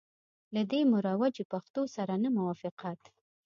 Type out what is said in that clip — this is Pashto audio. له دې مروجي پښتو سره نه موافقت.